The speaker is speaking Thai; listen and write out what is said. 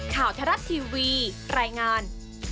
ข่าวทรัพย์ทีวีรายงาน